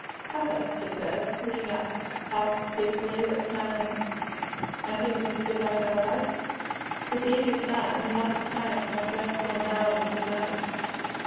"Papa," she said, looking up half tearfully, half smilingly at him as he stood at her side, "the deed is indeed done, and another claims my first born darling as his own."